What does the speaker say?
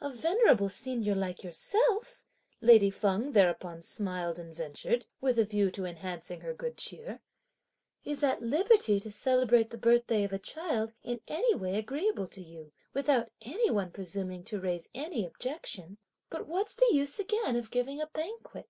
"A venerable senior like yourself," lady Feng thereupon smiled and ventured, with a view to enhancing her good cheer, "is at liberty to celebrate the birthday of a child in any way agreeable to you, without any one presuming to raise any objection; but what's the use again of giving a banquet?